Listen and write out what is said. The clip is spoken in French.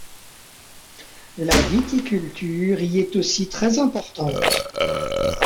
La viticulture y est aussi très importante.